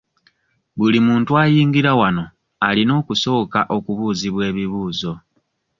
Buli muntu ayingira wano alina okusooka okubuuzibwa ebibuuzo.